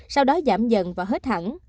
sau đó giảm dần và hết hạn